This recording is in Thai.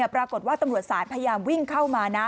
ปรากฏว่าตำรวจศาลพยายามวิ่งเข้ามานะ